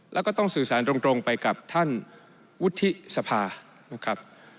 แล้วก็ต้องสื่อสารตรงไปกับท่านวุฒิสภานะครับ